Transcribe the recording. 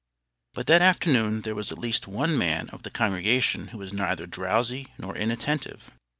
But that afternoon there was at least one man of the congregation who was neither drowsy nor inattentive.